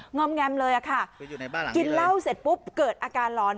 อมแงมเลยอะค่ะกินเหล้าเสร็จปุ๊บเกิดอาการหลอน